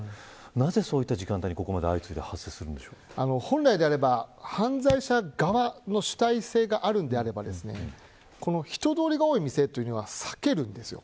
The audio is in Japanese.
なぜこういった時間に相次いで本来であれば犯罪者側の主体性があるのであればこの人通りの多い店は避けるんです。